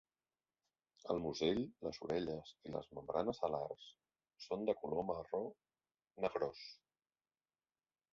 El musell, les orelles i les membranes alars són de color marró negrós.